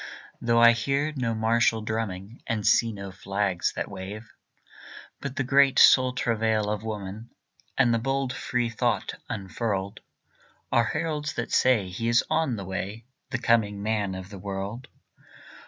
Though I hear no martial drumming, And see no flags that wave. But the great soul travail of woman, And the bold free thought unfurled, Are heralds that say he is on the way The coming man of the world.